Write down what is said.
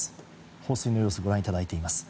放水の様子をご覧いただいています。